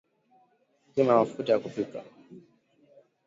Pima mafuta ya kupikia